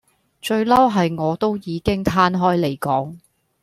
最嬲係我都已經攤開嚟講